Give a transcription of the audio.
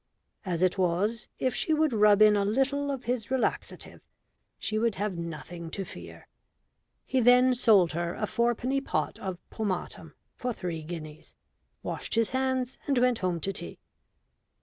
As it was, if she would rub in a little of his relaxative she would have nothing to fear. He then sold her a fourpenny pot of pomatum for three guineas, washed his hands, and went home to tea.